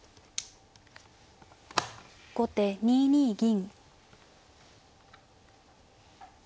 後手２二銀。